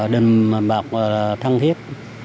đừng bạc thăng thiết